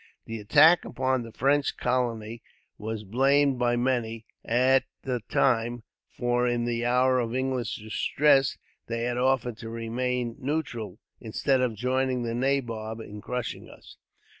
The attack upon the French colony was blamed by many, at the time, for in the hour of English distress they had offered to remain neutral, instead of joining the nabob in crushing us.